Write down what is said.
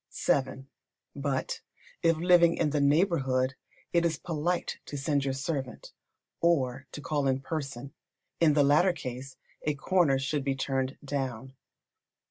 vii. But, if living in the neighbourhood, it is polite to send your servant, or to call in person. In the latter case a corner should be turned down.